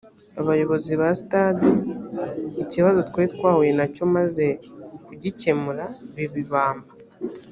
abayobozi ba sitade ikibazo twari twahuye na cyo maze kugikemura biba ibamba